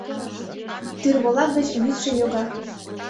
Тӱрволак гыч вӱдшӧ йога